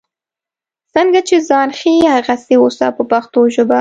څنګه چې ځان ښیې هغسې اوسه په پښتو ژبه.